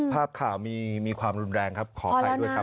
ภาพข่าวมีความรุนแรงครับขออภัยด้วยครับ